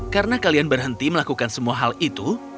karena kalian berhenti melakukan semua hal itu